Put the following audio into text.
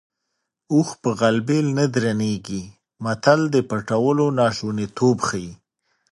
اوښ په غلبېل نه درنېږي متل د پټولو ناشونیتوب ښيي